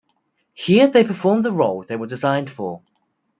Here they performed the role they were designed for.